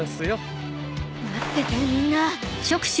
待っててみんな。